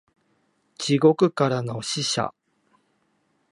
地獄からの使者